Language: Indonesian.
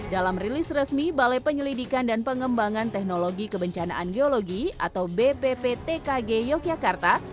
dalam rilis resmi balai penyelidikan dan pengembangan teknologi kebencanaan geologi atau bpptkg yogyakarta